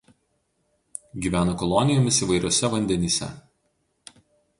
Gyvena kolonijomis įvairiuose vandenyse.